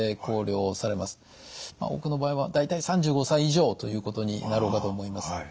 多くの場合は大体３５歳以上ということになろうかと思います。